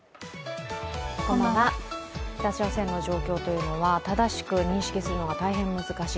北朝鮮の状況というのは正しく認識するのが大変難しい。